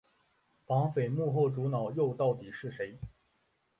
绑匪幕后主脑又到底是谁？